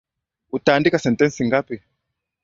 Uta andika sentensi ngapi?